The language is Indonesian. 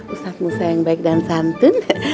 ustadz musa yang baik dan santun